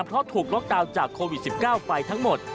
เพราะถูกล็อกดาวน์จากโควิด๑๙ไปทั้งหมด